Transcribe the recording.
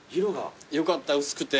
よかった薄くて。